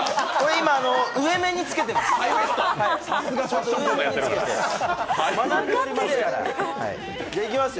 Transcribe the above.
今、上面に着けてます。